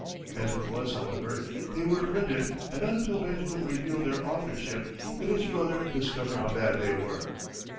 As it was, however, they were printed, and not until Benjamin revealed their authorship did his brother discover how bad they were.